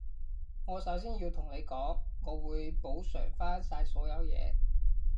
我首先要同你講，我會補償返晒所有嘢